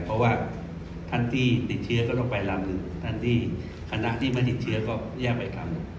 เพราะว่าท่านที่ติดเชื้อก็ต้องไปลำหนึ่งท่านที่คณะที่ไม่ติดเชื้อก็แยกไปทำ